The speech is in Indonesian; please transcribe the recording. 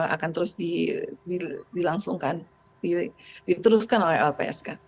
akan terus dilangsungkan diteruskan oleh lpsk